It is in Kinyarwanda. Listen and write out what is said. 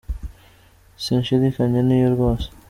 Sinshidikanya ni yo rwose